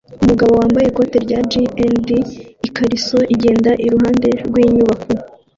umugabo wambaye ikoti rya jean ND ikariso igenda iruhande rwinyubako